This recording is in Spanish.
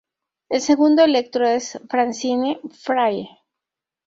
El segundo Electro es Francine Frye.